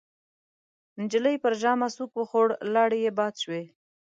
نجلۍ پر ژامه سوک وخوړ، لاړې يې باد شوې.